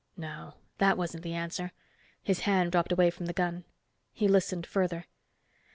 No, that wasn't the answer. His hand dropped away from the gun. He listened, further.